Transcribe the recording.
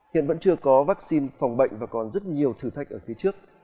hiện vẫn chưa có vaccine phòng bệnh và còn rất nhiều thử thách ở phía trước